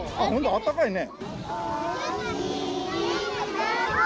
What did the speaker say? あったかいね。